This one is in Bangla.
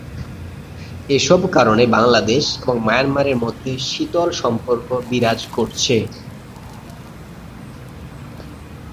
এসব কারণে বাংলাদেশ এবং মায়ানমারের মধ্যে শীতল সম্পর্ক বিরাজ করছে।